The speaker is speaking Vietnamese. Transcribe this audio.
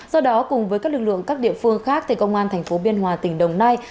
do đó cùng với các lực lượng các địa phương khác công an tp biên hòa tỉnh đồng nai